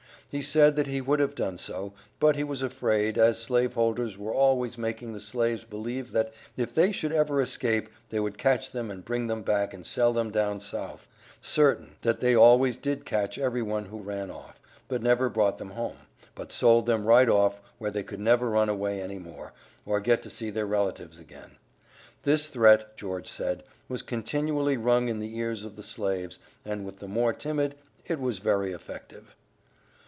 He said that he would have done so, but he was afraid, as slave holders were always making the slaves believe that if they should ever escape they would catch them and bring them back and sell them down South, certain; that they always did catch every one who ran off, but never brought them home, but sold them right off where they could never run away any more, or get to see their relatives again. This threat, George said, was continually rung in the ears of the slaves, and with the more timid it was very effective.